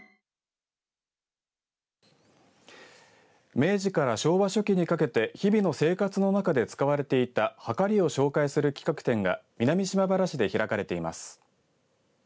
明治から昭和初期にかけて日々の生活の中で使われていたはかりを紹介する企画展が南島原市で開かれています。